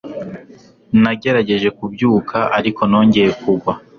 Nagerageje kubyuka ariko nongeye kugwa